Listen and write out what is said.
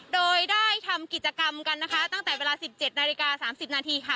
โดยได้ทำกิจกรรมกันนะคะตั้งแต่เวลา๑๗นาฬิกา๓๐นาทีค่ะ